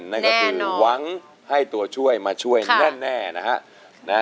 นั่นก็คือหวังให้ตัวช่วยมาช่วยแน่นะฮะ